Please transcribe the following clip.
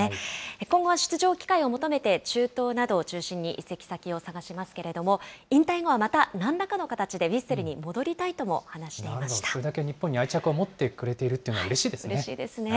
今後は出場機会を求めて中東などを中心に移籍先を探しますけれども、引退後はまたなんらかの形でヴィッセルに戻りたいとも話してそれだけ日本に愛着を持ってくれているというのはうれしいですね。